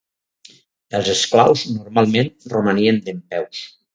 Els esclaus normalment romanien dempeus.